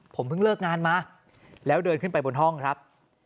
ผมเพิ่งเลิกงานมาแล้วเดินขึ้นไปบนห้องครับ